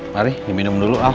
mari minum dulu ah